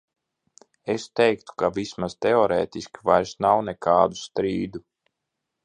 Es teiktu, ka vismaz teorētiski vairs nav nekādu strīdu.